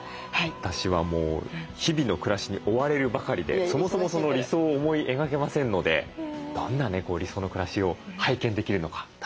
私はもう日々の暮らしに追われるばかりでそもそも理想を思い描けませんのでどんなね理想の暮らしを拝見できるのか楽しみですね。